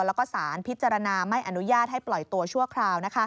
แล้วก็สารพิจารณาไม่อนุญาตให้ปล่อยตัวชั่วคราว